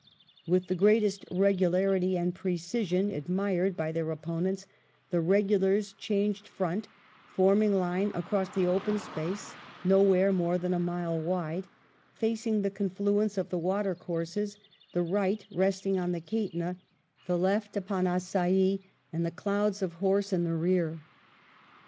With the greatest regularity and precision, admired by their opponents, the regulars changed front, forming line across the open space, nowhere more than a mile wide, facing the confluence of the water courses, the right resting on the Kaitna, the left upon Assaye, and the clouds of horse in the rear.